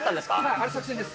あれ作戦です。